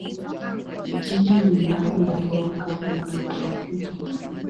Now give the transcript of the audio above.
Jiji lina hali ya hewa kavu ya kitropiki.